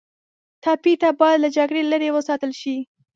ټپي ته باید له جګړې لرې وساتل شي.